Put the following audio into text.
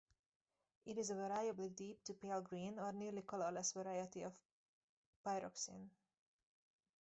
It is a variably deep to pale green or nearly colorless variety of pyroxene.